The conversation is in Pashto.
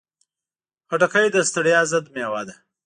خټکی د ستړیا ضد مېوه ده.